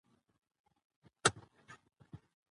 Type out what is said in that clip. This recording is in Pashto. د هغه ښځې مزار چي په دلارام کي دی تاریخي ریښه لري